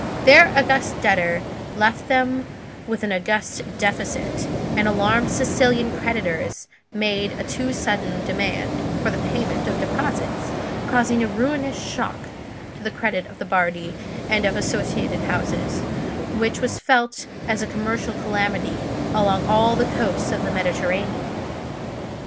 Their august debtor left them with an august deficit, and alarmed Sicilian creditors made a too sudden demand for the payment of deposits, causing a ruinous shock to the credit of the Bardi and of associated houses, which was felt as a commercial calamity along all the coasts of the Mediterranean.